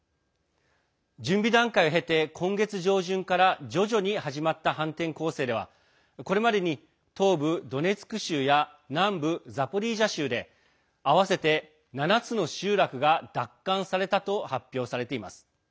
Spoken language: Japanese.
準備段階を経て、今月上旬から徐々に始まった反転攻勢ではこれまでに、東部ドネツク州や南部ザポリージャ州で合わせて７つの集落が奪還されたと発表されています。